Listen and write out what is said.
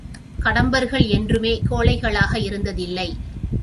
கடம்பர்கள் என்றுமே கோழைகளாக இருந்ததில்லை.